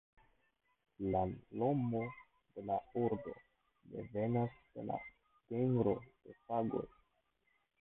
La nomo de la ordo devenas de la genro de Fagoj.